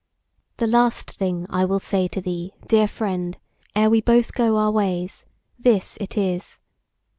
The last thing I will say to thee, dear friend, ere we both go our ways, this it is.